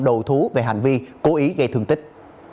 đầu thú về hành vi cố ý gây thương tích